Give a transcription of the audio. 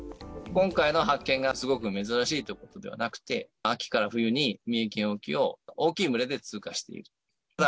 今回の発見がすごく珍しいということではなくて、秋から冬に三重県沖を大きい群れで通過していると。